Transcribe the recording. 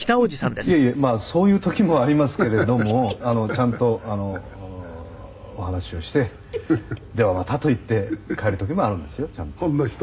「いえいえまあそういう時もありますけれどもちゃんとお話しをして“ではまた”と言って帰る時もあるんですよちゃんと」